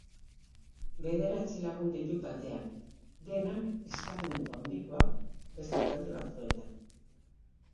Bederatzi lagun ditu taldeak, denak eskarmentu handikoak beste talde batzuetan.